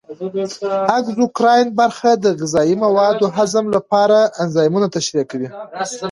اګزوکراین برخه د غذایي موادو د هضم لپاره انزایمونه ترشح کوي.